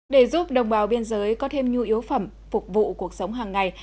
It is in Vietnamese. để giúp đồng bào biên giới có thêm nhu yếu phẩm phục vụ cuộc sống hàng ngày